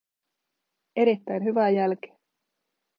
Erittäin hyvää jälkeä.